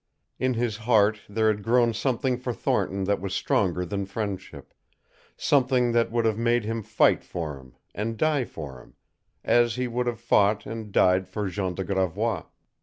In his heart there had grown something for Thornton that was stronger than friendship something that would have made him fight for him, and die for him, as he would have fought and died for Jean de Gravois.